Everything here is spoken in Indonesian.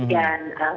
dan kota mekah